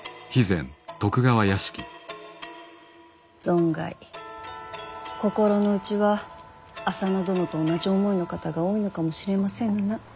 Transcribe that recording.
存外心の内は浅野殿と同じ思いの方が多いのかもしれませぬな。